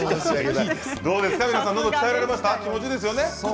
どうですかのどは鍛えられましたか、気持ちいいですね。